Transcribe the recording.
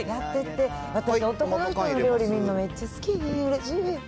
私、男の人の料理見るのめっちゃ好き。